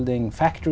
đến quốc gia